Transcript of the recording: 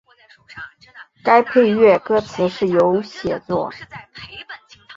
该配乐歌词是由写作。